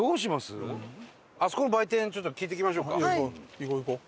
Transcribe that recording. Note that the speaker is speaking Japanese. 行こう行こう。